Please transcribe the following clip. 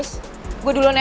guys gua duluan ya